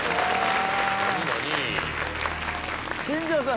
新庄さん